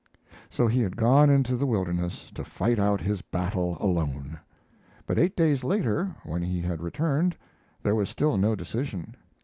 So he had gone into the wilderness to fight out his battle alone. But eight days later, when he had returned, there was still no decision.